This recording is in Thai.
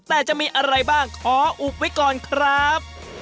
แต่จะมีอะไรบ้างขออุบไว้ก่อนครับ